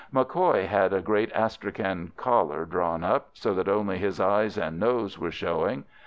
MacCoy had a great Astrakhan collar drawn up, so that only his eyes and nose were showing.